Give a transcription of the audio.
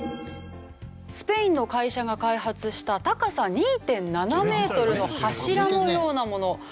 スペインの会社が開発した高さ２．７メートルの柱のようなもの。